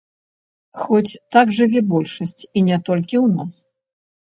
Хоць так жыве большасць, і не толькі ў нас.